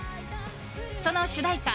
その主題歌